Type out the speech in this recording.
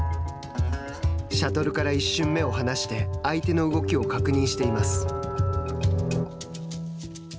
シャトルから一瞬、目を離して相手の動きを確認しています。